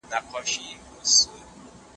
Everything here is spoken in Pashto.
سمه لاره پیدا کول بصیرت غواړي.